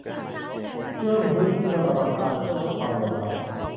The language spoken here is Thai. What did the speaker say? เพิ่มพื้นที่ชลประทานเพื่อลดความเหลื่อมล้ำ